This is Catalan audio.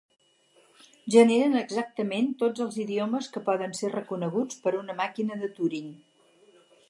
Generen exactament tots els idiomes que poden ser reconeguts per una màquina de Turing.